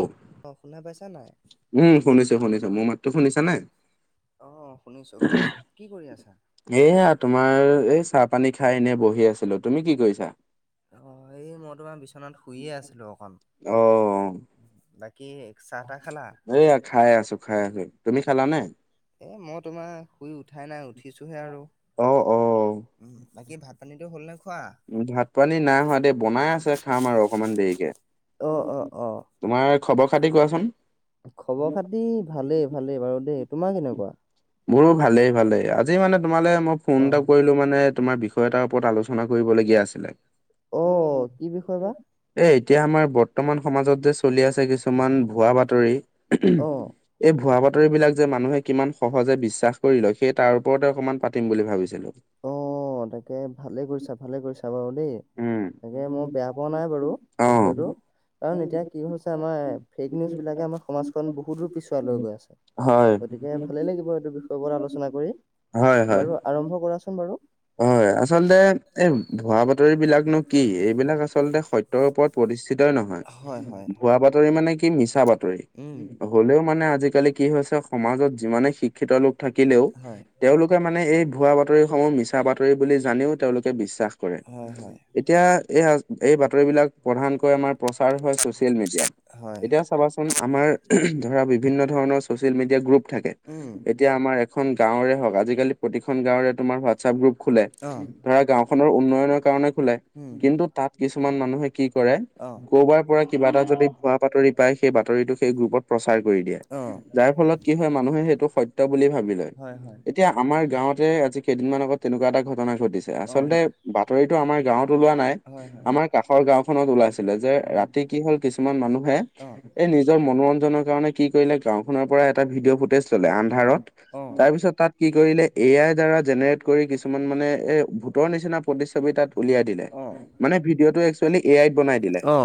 অ [inaudible] অ' শুনা পাইছা নে নাই। উম শুনিছো -শুনিছো মোৰ মাত টো শুনিছা নে। অ' শুনিছো -শুনিছো কি কৰি আছা? এইয়া তোমাৰ এই চাহ পানী খাই এনেই বহি আছিলো তুমি কি কৰিছা? অ 'এই মই তোমাৰ বিচনাত শুইয়ে আছিলো অকণ। অ বাকী চাহ তাহ খালা। এইয়া খাই আছো খাই আছো তুমি খালা নে? এই মই তোমাৰ শুই উঠাই নাই উঠিছোঁহে আৰু। অ' অ' উম, বাকী ভাত পানীতটো হ'ল নে খোৱা? উম ভাত পানী নাই হোৱা দেই, বনাই আছে খাম আৰু অকমান দেৰিকে। অ অ অ তোমাৰ খবৰ খাতি কোৱাচোন? খবৰ খাতি ভালেই ভালেই বাৰু দেই, তোমাৰ কেনেকুৱা? মোৰো ভালেই ভালেই, আজি মানে তোমালে মই ফোন অ এটা কৰিলো মানে তোমাৰ বিষয় এটাৰ ওপৰত আলোচনা কৰিব লগীয়া আছিলে। অ' কি বিষয় বা [unintelligible] এ এতিয়া আমাৰ বৰ্তমান সমাজত যে চলি আছে কিছুমান ভুৱা বাতৰি অ [unintelligible] এই ভুৱা বাতৰি বিলাক যে মানুহে কিমান সহজে বিশ্বাস কৰি লয়, সেই তাৰ ওপৰতে অকমান পাতিম বুলি ভাবিছিলো। অ' তাকে ভালে কৰিছা ভালে কৰিছা বাৰু দেই উম। তাকে মই বেয়া পোৱা নাই বাৰু অঁ বিষয়টো। কাৰণ এতিয়া কি হৈছে আমাৰ ফেক নিউজ বিলাকে আমাৰ সমাজখন বহুত দূৰ পিছুৱাই লৈ গৈ আছে। হয় গতিকে ভালে লাগিব এইটো বিষয়ৰ ওপৰত আলোচনা কৰি, হয় হয়। বাৰু আৰম্ভ কৰা চোন বাৰু। হয়, আচলতে এই ভুৱা বাতৰি বিলাকনো কি? এইবিলাক আচলতে সত্যৰ ওপৰত প্ৰতিষ্ঠিতই নহয়, হয় হয় ভুৱা বাতৰি মানে কি মিছা বাতৰি। উম হ'লেও মানে আজিকালি কি হৈছে, সমাজত যিমানে শিক্ষিত লোক থাকিলেও হয় তেওঁলোকে মানে এই ভুৱা বাতৰিসমূহ মিছ বাতৰি বুলি জানিও তেওঁলোকে বিশ্বাস কৰে। হয় হয় এতিয়া এই হা এই বাতৰিবিলাক প্ৰধানকৈ আমাৰ প্ৰচাৰ হয় ছচিয়েল মিডিয়াত হয়। এতিয়া চাবাচোন আমাৰ [unintelligible] ধৰা বিভিন্ন ধৰণৰ চচিয়েল মিডিয়া গ্ৰুপ থাকে, উম এতিয়া আমাৰ খন গাঁৱৰে হওঁক আজিকালি প্ৰতিখন গাঁওৰে তোমাৰ হোৱাটছপ গ্ৰুপ খোলে। অ ধৰা গাঁওখনৰ উন্নয়নৰ কাৰণে খোলে, উম কিন্তু তাত কিছুমান মানুহে কি কৰে। অ কৰ'বাৰ পৰা কিবা এটা যদি ভুৱা বাতৰি পায়, সেই বাতৰিটো সেই গ্ৰুপত প্ৰচাৰ কৰি দিয়ে। অ যাৰ ফলত কি হয় মানুহে সেইটো সত্য বুলি ভাবি লয়। হয় হয় এতিয়া আমাৰ গাঁৱত তে আজি কেইদিনমান আগত তেনেকুৱা এটা ঘটনা ঘটিছে, অ আচলতে বাতৰিটো আমাৰ গাঁৱত ওলোৱা নাই। হয় হয় আমাৰ কাষৰ গাওখনত ওলাইছিলে, যে উম ৰাতি কি হ'ল কিছুমান মানুহে অ এই নিজৰ মনোৰঞ্জনৰ কাৰণে কি কৰিলে গাওঁ খনৰ পৰা এটা ভিডিঅ' ফুটেজ ল'লে অ আন্ধাৰত। অ তাৰপিছত তাত কি কৰিলে এ আইৰ দ্বাৰা জেনেৰেট কৰি কিছুমান মানে এ ভূতৰ নিচিনা প্ৰতিছবি তাত উলিয়াই দিলে। অ মানে ভিডিঅ' টো এ কচোৱেলি এই আইত বনাই দিলে। অ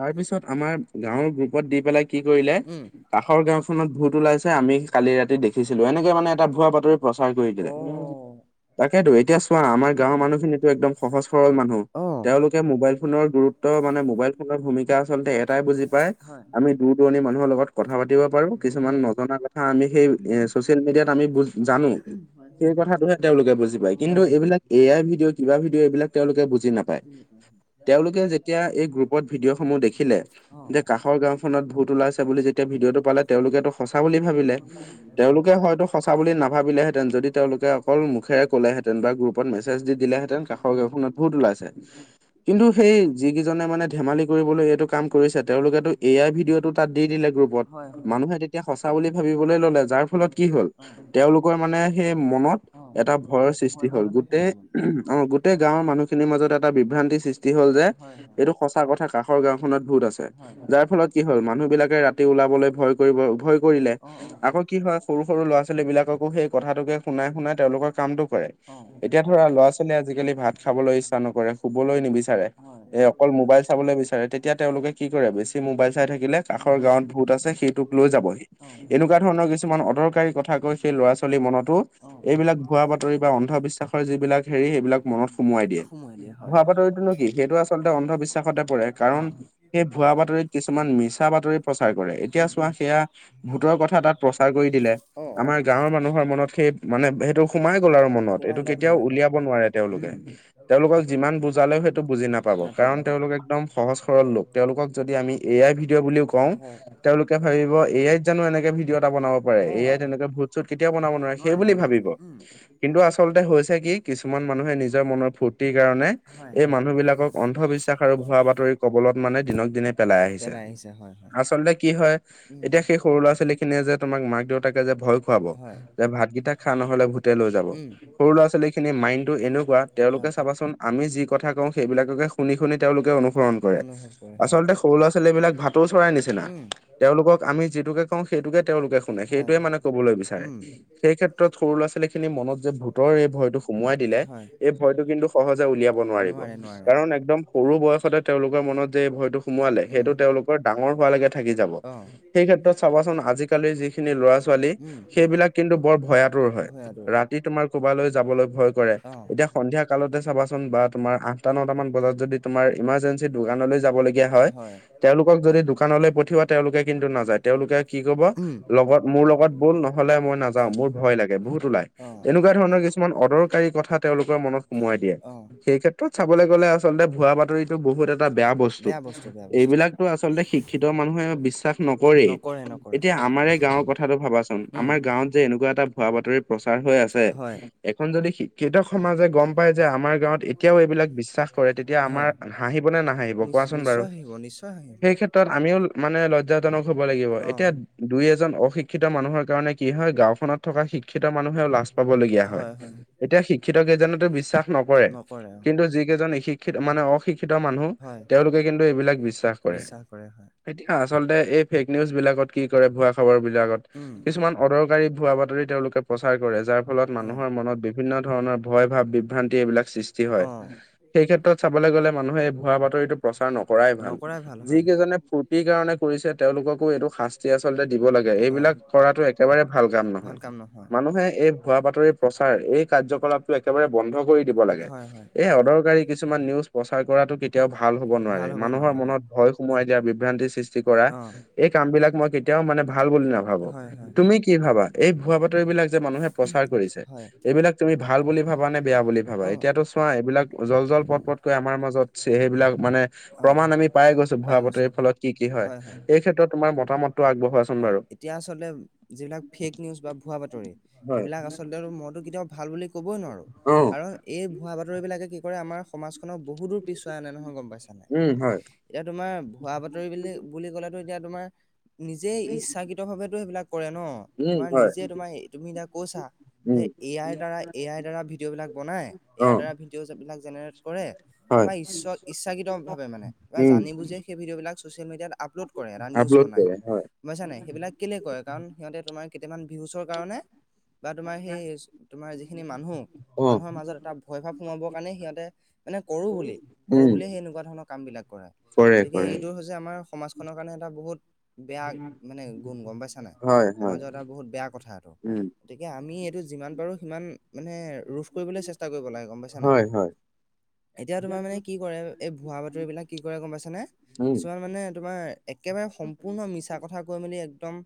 তাৰ পিছত আমাৰ গাঁৱৰ গ্ৰুপত দি পেলাই কি কৰিলে উম কাষৰ গাঁও খনত ভূত ওলাইছে, আমি কালি ৰাতি দেখিছিলো। এনেকে মানে এটা ভুৱা বাতৰি প্ৰচাৰ কৰি অ দিলে। তাকেতো এতিয়া চোৱা আমাৰ উম গাঁৱৰ মানুহ খিনিতো একদম সহজ সৰল মানুহ। অ তেওঁলোকে মোবাইল ফোনৰ গুৰুত্ব মানে, মোবাইল ফোনৰ ভূমিকা আচলতে এটাই বুজি পায় হয় আমি দূৰ দূৰণি মানুহৰ লগত কথা পাতিব পাৰো, হয় কিছুমান নজনা কথা আমি সেই এ চচিয়েল মিডিয়াত আমি বুজ জানো। [unintelligible] হয়। [unintelligible] সেই কথাটোহে তেওঁলোকে বুজি পায়, কিন্তু এইবিলাক এ আই ভিডিঅ' কিবা ভিডিঅ' এইবিলাক তেওঁলোকে বুজি নাপায়। তেওঁলোকে যেতিয়া এই গ্ৰুপত ভিডিঅ' সমূহ দেখিলে অ যে কাষৰ গাওঁত ভূত ওলাইছে বুলি যেতিয়া ভিডিঅ'টো পালে, তেওঁলোকেটো সঁচা বুলি ভাবিলে। সঁচা বুলি ভাবিলে তেওঁলোকে হয়তো সঁচা বুলি নাভাবিলে হেঁতেন যদি তেওঁলোকে অকল মুখেৰে ক'লে হেঁতেন বা গ্ৰুপত মেছেজ দি দিলে হেঁতেন কাষৰ গাঁৱ খনত ভূত ওলাইছে কিন্তু সেই যিকেইজনে মানে ধেমালি কৰিবলৈ এইটো কাম কৰিছে, তেওঁলোকেটো এ আই ভিডিঅ'টো তাত দি দিলে গ্ৰুপত। হয় হয় মানুহে তেতিয়া সঁচা বুলি ভাবিবলে ল'লে যাৰ অ ফলত কি হ'ল অ তেওঁলোকৰ মানে সেই মনত অ এটা ভয়ৰ সৃষ্টি ভয় ভাৱ হ'ল এটা সোমাই গোটেই গ'ল [unintelligible] অঁ গোটেই গাঁওৰ মানুহখিনিৰ মাজত এটা বিভ্ৰান্তি সৃষ্টি হ'ল যে হয় হয় এইটো সঁচা কথা কাষৰ গাঁওখনত ভূত আছে। হয় যাৰ ফলত কি হ'ল মানুহবিলাকে ৰাতি ওলাবলৈ ভয় কৰিব ভয় কৰিলে। অ আকৌ কি হয় সৰু-সৰু ল'ৰা-ছোৱালী বিলাককো সেই কথাটোকে শুনাই-শুনাই তেওঁলোকৰ কামটো কৰে। অ অ এতিয়া ধৰা ল'ৰা-ছোৱালীয়ে আজিকালি ভাত খাবলৈ ইচ্ছা নকৰে, শুবলৈ নিবিচাৰে। হয় এ অকল মোবাইল চাবলৈ বিচাৰে তেতিয়া তেওঁলোকে কি কৰে বেছি মোবাইল চাই থাকিলে উম কাষৰ গাঁৱত ভূত আছে সেইটো লৈ যাবহি। অ এনেকুৱা ধৰণৰ কিছুমান অদৰকাৰী কথা কৈ সেই ল'ৰা-ছোৱালীৰ মনতো অ এইবিলাক ভুৱা বাতৰি বা অন্ধবিশ্বাসৰ যিবিলাক হেৰি সেইবিলাক মনত সোমোৱাই দিয়ে। সোমোৱাই হয় ভূৱা বাতৰিতো নো কি সেইটো আচলতে অন্ধবিশ্বাসতে পৰে অ কাৰণ সেই ভুৱা বাতৰিত কিছুমান মিছা বাতৰি প্ৰচাৰ কৰে। এতিয়া উম চোৱা সেয়া ভূতৰ কথা তাত প্ৰচাৰ কৰি দিলে। অ আমাৰ গাঁৱৰ মানুহৰ মনত সেই মানে সেইটো সোমাই গ'ল আৰু মন নত সোমাই এইটো গ'ল কেতিয়াও সোমাই গ'ল উলিয়াব নোৱাৰে তেওঁলোকে। উম তেওঁলোকক যিমান বুজালেও সেইটো বুজি নাপাব কাৰণ তেওঁলোক একদম সহজ সৰল লোক। তেওঁলোকক যদি আমি এআই ভিডিঅ' বুলিও কওঁ হয় তেওঁলোকে ভাবিব এ এআইত জানো এনেকে ভিডিঅ' ত বনাব পাৰে অ এআইত তেনেকুৱে ভূত-চূত কেতিয়াও বনাব নোৱাৰে সেইবুলি ভাবিব। কিন্তু আচলতে হৈছে কি কিছুমান মানুহে নিজৰ মনৰ ফূৰ্তিৰ কাৰণে হয় এই মানুহ বিলাকক অন্ধবিশ্বাস আৰু ভুৱা বাতৰি কবলত মানে দিনক দিনে পেলাই আহিছ ছে। আহিছে হয় হয় আচলতে কি হয় উম এতিয়া সেই সৰু ল'ৰা-ছোৱালীখিনিয়ে যে তোমাক মাক-দেউতাকে যে ভয় খুৱাব হয় যে ভাতকেইটা খা নহ'লে ভুতে লৈ যাব। উম সৰু ল'ৰা-ছোৱালীখিনিৰ মাইণ্ডটো এনেকুৱা অ তেওঁলোকে চা চাবা চোন আমি যি কথা কওঁ সেইবিলাককে শুনি-শুনি তেওঁলোকে অনুসৰণ কৰে। অনুভৱ কৰে হয় আচলতে সৰু ল'ৰা-ছোৱালীবিলাক ভাতৌ চৰাই নিচিনা। উম তেওঁলোকক আমি যিটোকে কওঁ সেইটোকে তেওঁলোকে শুনে, হয় সেইটোৱে মানে কবলৈ বিচাৰে। উম সেই ক্ষেত্ৰত সৰু ল'ৰা-ছোৱালী খিনি মনত যে ভূতৰ এই ভয়টো সোমোৱাই দিলে। হয় এই ভয়টো কিন্তু সহজে উলিয়াব নোৱাৰিব নোৱাৰে নোৱাৰে কাৰণ একদম সৰু বয়সতে তেওঁলোকৰ মনত যে এই ভয়টো সোমোৱালে। উম সেইটো তেওঁলোকৰ ডাঙৰ হোৱালৈকে থাকি যাব। অ সেই ক্ষেত্ৰত চাবা চোন আজিকালিৰ যিখিনি ল'ৰা-ছোৱালী উম সেইবিলাক এইটো বৰ ভয়াতুৰ হয় ভয়াতুৰ ৰাতি তোমাৰ কৰবালৈ যাবলৈ ভয় কৰে। অ এতিয়া সন্ধিয়া কালতে চাবা চোন বা তোমাৰ আঠটা, নটামান বজাত যদি তোমাৰ ইমাৰৰ্জেঞ্চি দোকানলৈ যাব ল গীয়া হয় তেওঁলোকক যদি দোকানলৈ পঠিওৱা তেওঁলোকে কিন্তু নাযায় তেওঁলোকে কি কৰিব উম লগত মোৰ লগত ব'ল নহ'লে মই নাযাওঁ, মোৰ ভয় লাগে, ভূত ওলাই অ এনেকুৱা ধৰণৰ এনেকুৱা ধৰণৰ কিছুমান অদৰকাৰী কথা তেওঁলোকৰ মনত সোমোৱই দিয়ে। অ সেই ক্ষেত্ৰত চাবলৈ গ'লে আচলতে ভুৱা বাতৰিতো বহুত এ এটা বেয়া বস্তু। এইবিলাকতো আচলতে শিক্ষিত মানুহে বিশ্বাস নকৰেই। নকৰে নকৰে এতিয়া আমাৰে গাঁৱৰ কথাটো ভাবা চোন উম, আমাৰ গাঁৱত যে এনেকুৱা এটা ভুৱা বাতৰি প্ৰচাৰ হৈ আছে। হয়, এখন যদি শি ক্ষিত সমাজে গম পায় যে আমাৰ গাঁৱত এতিয়াও এইবিলাক বিশ্বাস কৰে তেতিয়া আমাৰ হয়। হাঁহিব নে নাহাঁহিব নিচ কোৱা চ নিশ্চয় হাঁহিব, নিশ্চয় হাঁহিব। ক্ষেত্ৰত আমিও মানে লজ্জাজনক হ'ব লাগিব। অ', এতিয়া দুই এজন অশিক্ষিত মানুহৰ কাৰণে কি হ গাঁওখনত থকা শিক্ষিত মানুহেও লাজ পাবলগীয়া হয়। এতিয়া শিক্ষিত কেইজনেতো বিশ্বাস নকৰে কিন্তু যিকেইজন এসিক শিক্ষিত মানে অশিক্ষিত মানুহ হয়, তেওঁলোকে কিন্তু এইবিলাক বিশ্বাস কৰে। এতিয়া আচলতে এই ফেক নিউজ বিলাকত কি কৰে ভুৱা খবৰ বিলাকত উম, কিছুমান অদৰকাৰী ভুৱা বাতৰি তেওঁলোকে প্ৰচাৰ কৰে যাৰ ফলত হয়, মানুহৰ মনত বিভিন্ন ধৰণৰ ভয় ভাৱ বিভ্ৰান্তি এইবিলাক সৃষ্টি হয়। অঁ! সেই ক্ষেত্ৰত চাবলৈ গলে মানুহে এই ভুৱা বাতৰিতটো প্ৰচাৰ নকৰাই ভাল যিকেইজনে ফু কি কাৰণে কৰিছে তেওঁলোককো এইটো শাস্তি আচলতে দিব লাগে হয়, এইবিলাক কৰাটো একেবাৰে ভাল কাম নহয়। মানুহে এই ভুৱা বাতৰি প্ৰচাৰ এই কাৰ্যকলাপটো একেবাৰে বন্ধ কৰি দিব লাগে। হয়, হয়, এই অদৰকাৰী কিছুমান নিউজ প্ৰচাৰ কৰাতটো কেতিয়াও ভাল হব নোৱাৰে ভাল হ'ব মানুহৰ নোৱাৰে হয়, মনত ভয় সোমোৱাই দিয়া বিভ্ৰান্তি সৃষ্টি কৰা অ', এই কাম বিলাক মই কেতিয়াও মানে ভাল বুলি নাভাবো, হয়, হয়, তুমি কি ভাবা, এই ভুৱা বাতৰি বিলাক যে মানুহে প্ৰচাৰ কৰিছে। হয়, এইবিলাক তুমি ভাল বুলি ভাবা নে বেয়া বুলি ভাবা অ', এতিয়াতো চোৱা এইবিলাক জল জল পট পটকৈ আমাৰ মাজত চে সেইবিলাক মানে হয়, প্ৰমাণ আমি পাই গৈছো ভুৱা বাতৰি ফলত কি কি হয়, সেই ক্ষেত্ৰত তোমাৰ মতামতটো আগবঢ়োৱা চুন অ', বাৰু। এতিয়া আচলতে যিবিলাক ফেক নিউজ বা ভুৱা বাতৰি হয় সেইবিলাক আচলতে মইতো কেতিয়াও ভাল বুলি ক'বই নোৱাৰোঁ। অ। আৰু এই ভুৱা বাতৰি বিলাকে কি কৰে আমাৰ সমাজখনক বহুত দূৰ পিছুৱাই আনে নহয় গম পাইছা নাই। উম হয় এতিয়া তোমাৰ ভুৱা বাতৰি বুলিলে বুলি কলেতো এতিয়া তোমাৰ নিজেই ইচ্ছাকি শুদ্ধ ভাৱেটো সেইবিলাক কৰে ন, উম তোমাক হয় নিজে তোমাৰ তুমি এতিয়া কৈছা যে উম এ আইৰ দ্বাৰা এ আই দ্বাৰা ভিডিঅ বিলাক বনাই। অ ইয়াৰ দ্বাৰা ভিডিঅ যোন বিলাক জেনেৰেট কৰে। হয় তাৰপৰা ইচ্ছ ইচ্ছাকৃত ভাৱে মানে বা উম জানি বুজি সেই ভিডিঅ বিলাক ছচিয়েল মিডিয়াত আপলোড কৰে এটা নিউজ আপলোড বনাই। কৰে হয় গম পাইছান নাই, সেইবিলাক কেলে কৰে কাৰণ সিহঁতে তোমাৰ কেইটামান ভিউচৰ কাৰণে বা তোমাৰ সেই তোমাৰ যিখিনি মানুহ। অ মানুহৰ মাজত এটা ভয় ভাৱ সোমাবৰ কাৰণে সিহঁতে মানে কৰোঁ বুলি, কৰোঁ উম বুলিয়ে সেই এনেকুৱা ধৰণৰ কাম বিলাক কৰে। কৰে। এই কৰে এইটো হৈছে আমাৰ সমাজখনৰ কাৰণে এটা বহুত বেয়া মানে গুণ গম পাইছা নাই। হয় হয় সমাজৰ এটা বহুত বেয়া কথা এইটো। উম গতিকে আমি এইটো যিমান পাৰো সিমান মানে ৰোধ কৰিবলৈ চেষ্টা কৰিব লাগে। গম পাইছা নাই? হয় হয় এতিয়া তোমাৰ মানে কি কৰে এই ভুৱা বাতৰি বিলাক কি কৰে গম পাইছা নে? উম কিছুমান মানে তোমাৰ একেবাৰে সম্পূৰ্ণ মিছা কথা কৈ মেলি একদম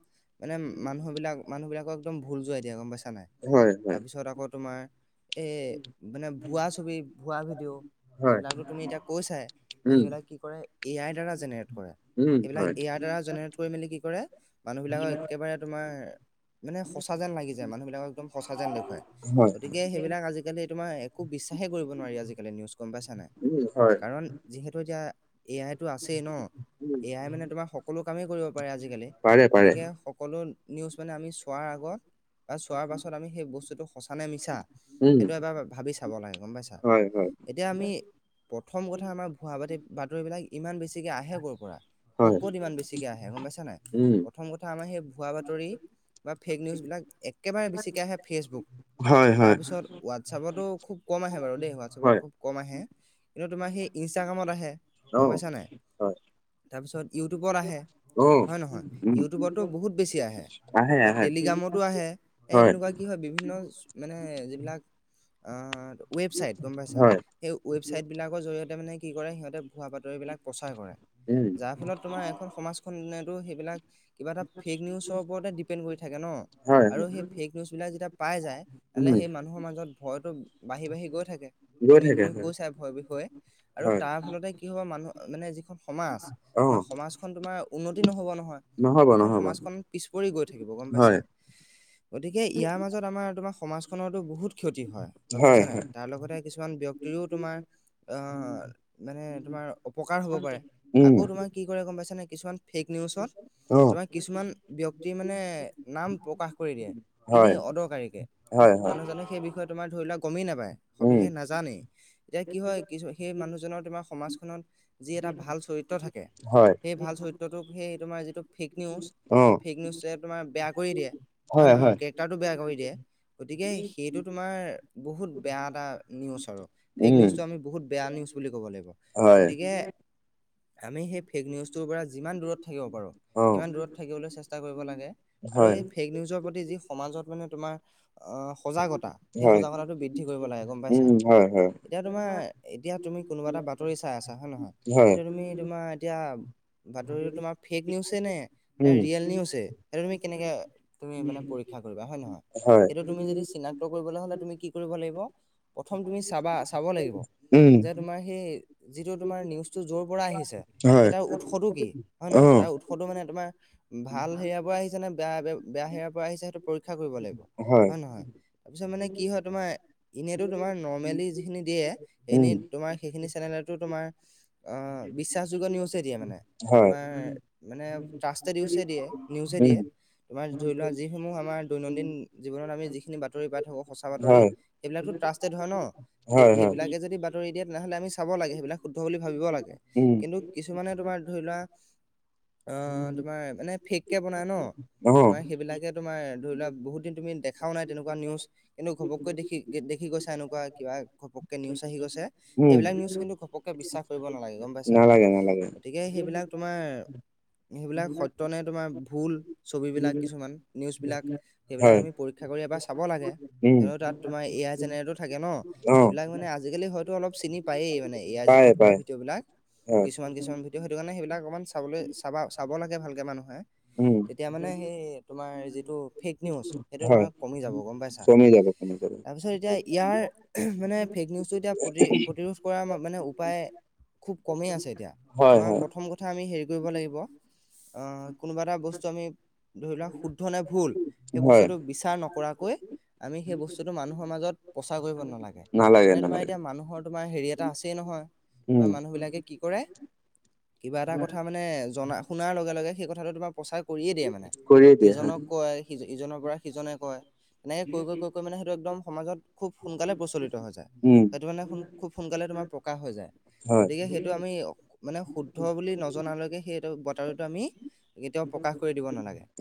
মানে মানুহবিলাক মানুহ বিলাকৰ একদম ভুল যোৱাই দিয়া গম পাইছা নাই। হয় হয় তাৰপিছত আকৌ তোমাৰ এ মানে ভুৱা ছবি ভুৱা ভিডিঅ হয় সেইবিলাকো তুমি এতিয়া কৈ চাই। উম সেইবিলাক কি কৰে এ আইৰ দ্বাৰা জেনেৰেট কৰে। উম এইবিলাক হয় এ আইৰ দ্বাৰা জেনেৰেট কৰি মেলি কি কৰে মানুহ বিলাকক একেবাৰে তোমাৰ মানে সঁচা যেন লাগি যায়। মানুহবিলাকক একদম সঁচা যেন দেখুৱায়। হয় গতিকে সেইবিলাক আজিকালি তোমাৰ একো বিশ্বাসে কৰিব নোৱাৰি। আজিকালি নিউজ গম পাইছ নাই। উম হয়। কাৰণ যিহেতু এতিয়া এ আইটো আছেই ন এ আই মানে তোমাৰ স চব কামেই কৰিব পাৰে আজিকালি। পাৰে পাৰে গতিকে সকলো নিউজ মানে আমি চোৱাৰ আগত বা চোৱাৰ পাছত আমি সেই বস্তুটো সঁচানে মিছা উম সেইটো এবাৰ ভা ভাবি চাব লাগে গম পাইছা। হয় হয় এতিয়া আমি প্ৰথম কথা আমাৰ ভুৱা বতি বাতৰিবিলাক ইমান বেছিকে আহে ক'ৰ পৰা। ক হয় ক'ত ইমান বেছিকে আহে গম পাইছা নাই। উম প্ৰথম কথা আমাৰ সেই ভোৱা বাতৰি বা ফেক নিউজবিলাক একেবাৰে বেছিকৈ আহে ফেচবুক। হয় হয় তাৰপিছত হোৱাটছআপতো খুব কম আহে বাৰু দেই হয় হোৱাটছআপত খুব কম আহে। কিন্তু তোমাৰ সেই ইনষ্টাগ্ৰামত আহে, গ'ম অ', পাইছা নাই? হয়, তাৰপিছত ইউটিউবত আহে। অ', হয় নে নহয়, উম, ইউটিবটো বহুত বেছি আহে। আহে আৰু আহে, টেলিগ্ৰামতো আহে, এ হয়, তেনেকুৱা কি হয় বিভিন্ন, মানে যিবিলাক, আহ ৱেবছাইট গম পাইছা! হয়, সেই ৱেবছাইটবিলাকৰ জৰিয়তে মানে কি কৰে, সিহঁতে ভুৱা বাতৰিবিলাক প্ৰচাৰ কৰে। উম। যাৰ ফলত তোমাৰ এখন সমাজখনেটো, সেইবিলাক কিবা এটা, ফেক নিউজৰ ওপৰতে ডিপেণ্ড কৰি থাকে ন'! হয়, আৰু হয়, সেই ফেক নিউজবিলাক যেতিয়া পাই যায়। মানে উম, সেই মানুহৰ মাজত ভয়টো, বাঢ়ি বাঢ়ি গৈ থাকে। গৈ তুমি থাকে তুমি হয়, কৈ চাই ভয়ৰ বিষয়ে। আৰু হয়, তাৰ ফলতে কি হ'ব মানুহ মানে যিখন সমাজ। আমাৰ অ', সমাজখন তোমাৰ উন্নতি নহ'ব নহ'ব নহয়। সেইখন নহ'ব, সমাজখন পিছ পৰি গৈ থাকিব গ'ম হয়, পাইছা? গতিকে ইয়াৰ মাজত আমাৰ তোমাৰ সমাজখনৰটো বহুত ক্ষতি হয়, গ'ম পাইছ হয়, নাই? হয়, তাৰ লগতে কিছুমান ব্যক্তিৰো তোমাৰ অ', মানে তোমাৰ অপকাৰ হ'ব পাৰে। উম, আকৌ তোমাৰ কি কৰে গ'ম পাইছা নে কিছুমান ফেক নিউজত। অ', তোমাৰ কিছুমান ব্যক্তি মানে নাম প্ৰকাশ কৰি দিয়ে। হয়, এনেই অদৰকাৰীকে, কিন্তু হয়, হয়, মানুহ জানো সেই বিষয়ে তোমাৰ ধৰি লোৱা গ'মেই নাপায়, উম, সবিশেষ নাজানেই। এতিয়া কি হয়, কিছু সেই মানুহজনৰ তোমাৰ সমাজখনত যি এটা ভাল চৰিত্ৰ থাকে। হয়, সেই ভাল চৰিত্ৰটোক সেই তোমাৰ যিটো ফেক নিউজ, সেই অ', ফেক নিউজটোৱে তোমাৰ বেয়া কৰি দিয়ে। হয়, নহয়? কে ৰেকতাৰটো বেয়া কৰি দিয়ে। গতিকে সেইটো তোমাৰ বহুত বেয়া এটা নিউজ আৰু। ফেক উম, নিউজটো আমি বহুত বেয়া নিউজ বুলি ক'ব লাগিব। হয়। গতিকে আমি সেই ফেক নিউজটোৰ পৰা যিমান দূৰত থাকিব পাৰোঁ অ', সিমান দূৰত থাকিবলৈ চেষ্টা কৰিব লাগে। আৰু হয়, এই ফেক নিউজৰ প্ৰতি যি সমাজত মানে তোমাৰ আহ সজাগতা, সেই হয়, সজাগতাটো বৃদ্ধি কৰিব লাগে গ'ম উম, পাইছা। হয়, হয়, এতিয়া তোমাৰ এতিয়া তুমি কোনোবা এটা বাতৰি চাই আছা হয় নে নহয়, হয়, এতিয়া তুমি তোমাৰ এতিয়া বাতৰি তোমাৰ ফেক নিউজ নে উম, ৰিয়েল নিছে, সেইটো তুমি কেনেকে তুমি মানে পৰীক্ষা কৰিবা হয় নে নহয়, হয়, সেইটোত য, চিনাক কৰিবলৈ হ'লে তুমি কি কৰিব লাগিব। প্ৰথম তুমি চাবা, চাব লাগিব। উম। মাৰ যিটো তমাৰ নিজ পৰা আহিছে, হয়, সেই তাৰ উৎসতটো কি হয় নহয়, অ', তাৰ উ ৎসটো মানে তোমাৰ ভাল হেৰিয়াৰ পৰা আহিছে নে বেয়া বেয়া হেৰিয়াৰ পৰা আহিছে সেইটো পৰীক্ষা কৰিব লাগিব। হয়। নহয়, তাৰপিছত মানে কি হয় তোমাৰ? এনেইতো তোমাৰ নৰ্মেলি যিখিনি দিয়ে, উম, সখিন তোমাৰ সেইখিন চেনেলতো তোমাৰ অ' বিশ্বাসযোগ্য নিউজে দিয়ে মানে,। হয়, তোমাৰ মানে ট্ৰাস্তেদ ইউজ হে দিয়ে, নিউজে উম, দিয়ে। তোমাৰ ধৰি লোৱা যিসমূহ আমাৰ দৈনন্দিন জীৱনত আমি যিখিনি বাতৰি পাই থাকো সঁচা বাতৰি। হয়, এইবিলাকতো ট্ৰাষ্টেড হয় ন'? সেই, হয়, হয়। সেইবিলাকে যদি বাতৰি দিয়ে, তেনেহ'লে আমি চাব লাগে সেইবিলাক শুদ্ধ বুলি ভাবিব লাগে। উম। কিন্তু কিছুমানে তোমাৰ ধৰি লোৱা অ', তোমাৰ মানে ফেককে বনাই ন'! অ', তোমাৰ সেইবিলাকে তোমাৰ ধৰি লোৱা বহুত দিন তুমি দেখাও নাই তেনেকুৱা নিউজ। কিন্তু ঘপককৈ দেখি, দেখি গৈছে এনেকুৱা কিবা ঘপককৈ নিউজ আহি গৈছে। উম, সেইবিলাক নিউজ কিন্তু ঘপকে বিশ্বাস কৰিব নালাগে গ'ম পাইছা। নালাগে নালাগে। গতিকে সেইবিলাক তোমাৰ। সেইবিলাক সত্য নে তোমাৰ ভুল ছবিবিলাক কিছুমান নিউজবিলাক হয়, সেইবিলাক আমি। পৰীক্ষা কৰি এবাৰ চাব লাগে। উম, কিয় তাত তোমাৰ এ, আই জেনেৰেটৰ থাকে ন, অ', সেইবিলাক আজিকালি হয়তো অলপ চিনি পায়েই মানে। এ আই পায় জেনেৰেট পায় কৰা ভিডঅ' বিলাক। হয়, কিছুমান, কিছুমান ভিডিঅ' সেইটো কাৰণে সেইবিলাক অকমান চাবলৈ চাবা, চাব লাগে ভালকে মানুহে। উম, তেতিয়া মানে সেই তোমাৰ যিটো ফেক নিউজ সেইটো হয়, তোমাৰ কমি যাব গম পাইছা। কমি যাব কমি যাব তাৰপিছত এতিয়া ইয়াৰ মানে ফেক নিউজটো এতিয়া প্ৰতি প্ৰতিৰোধ কৰা মানে উপায়। খুব কমেই আছে, এতিয়া হয় তোমাৰ হয় প্ৰথম ক। থা আমি হেৰি কৰিব লাগিব অহ কোনোবা এটা বস্তু আমি ধৰি লোৱা শুদ্ধ নে ভুল। সেই হয়, বস্তুটো বিচাৰ নকৰাকৈ আমি সেই বস্তুটো মানুহৰ মাজত প্ৰচাৰ কৰিব নালা। গে নালাগে মানে তোমাৰ নালাগে এতিয়া মানুহৰ তোমাৰ হেৰি এটা আছেই নহয় উম, তোমাৰ মানুহ বিলাকে কি কৰে। কিবা এটা কথা মানে জনা শুনাৰ লগে, লগে সেই কথাটো তোমাক প্ৰচাৰ কৰিয়ে দিয়ে মানে। কৰিয়ে বুজিচ। দিয়ে হয়, ইজনক কয় সিজনৰ পৰা সিজনে কয়। এনেকে কৈ, কৈ, কৈ, কৈ মানে সেইটো একদম সমাজত খুব সোনকালে প্ৰচলিত হৈ যায়। উম, সেইটো কাৰণে সো, খুব সোনকালে তোমাৰ প্ৰকাশ হৈ যায়। হয়। গতিকে সেইটো আমি মানে শুদ্ধ বুলি নজনালৈকে সেইটো বাতৰিটো আমি। কেতিয়াওঁ প্ৰকাশ কৰি দিব নালাগে।